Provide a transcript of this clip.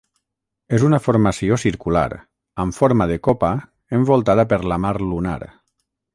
És una formació circular, amb forma de copa envoltada per la mar lunar.